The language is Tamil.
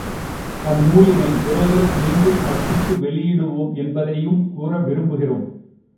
அந்நூலினை விரைவில் மீண்டும் அச்சிட்டு வெளியிடுவோம் என்பதையும் கூற விரும்புகிறோம்.